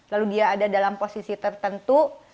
lalu dia ada dalam posisi tertentu